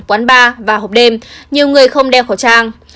quán bar và hộp đêm nhiều người không đeo khẩu trang